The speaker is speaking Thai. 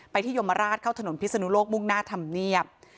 ไปที่โยมราชเข้าถนนพิษณุโรคมุกหน้าธัมเทนียบ